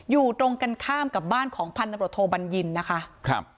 อยู่ตรงกันข้ามกับบ้านของพันธบทโทบัญญินนะคะครับ